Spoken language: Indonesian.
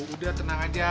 udah tenang aja